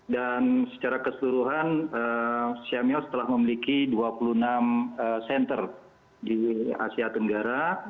dan secara keseluruhan simeo telah memiliki dua puluh enam senter di asia tenggara